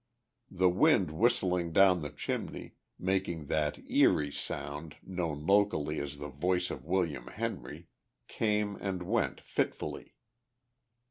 The wind whistling down the chimney, making that eerie sound known locally as the voice of William Henry, came and went fitfully.